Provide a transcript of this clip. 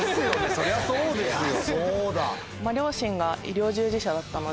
そりゃそうですよ。